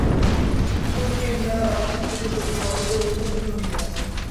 চিত্তও সেই নিরালা বাসস্থানটুকুর জন্য সর্বদাই উৎকণ্ঠিত হইয়া আছে।